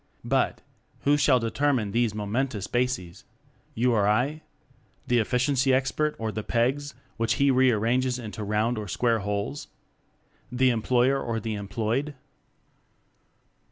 But, who shall determine these mo mentous bases? You or I? The Efficiency Expert or the "pegs" which he re arranges into round or square holes? The employer or the employed?